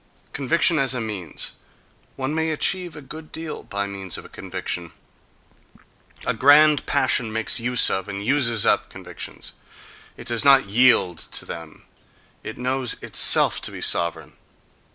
Conviction as a means: one may achieve a good deal by means of a conviction. A grand passion makes use of and uses up convictions; it does not yield to them—it knows itself to be sovereign.